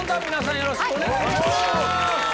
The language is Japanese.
よろしくお願いします